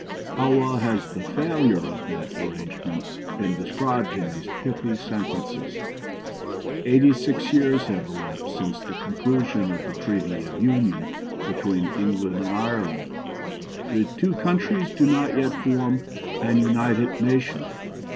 How well has the "failure" of that arrangement been described in these pithy sentences "Eighty six years have elapsed since the conclusion of the Treaty of Union between England and Ireland. The two countries do not yet form an united nation.